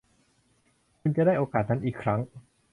คุณจะได้โอกาสนั้นอีกครั้ง